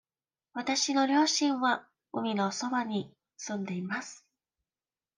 わたしの両親は海のそばに住んでいます。